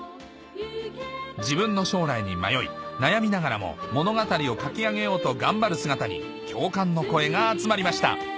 自分の将来に迷い悩みながらも物語を書き上げようと頑張る姿に共感の声が集まりました